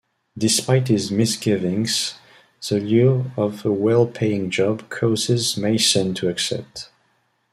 Despite his misgivings, the lure of a well paying job causes Mason to accept.